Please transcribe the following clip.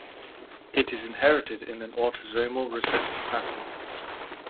It is inherited in an autosomal recessive pattern.